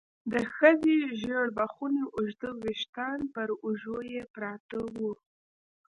د ښځې ژېړ بخوني اوږده ويښتان پر اوږو يې پراته وو.